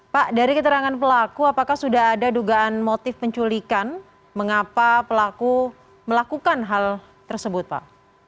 pak dari keterangan pelaku apakah sudah ada dugaan motif penculikan mengapa pelaku melakukan hal tersebut pak